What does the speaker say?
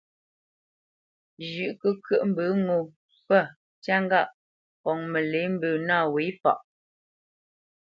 Zhʉ̌ʼ kəkyə́ʼ mbə ŋo pə̂ ntyá ŋgâʼ ŋkɔŋ məlě mbə nâ wě faʼ.